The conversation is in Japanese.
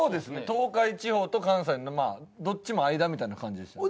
東海地方と関西のまあどっちも間みたいな感じでした。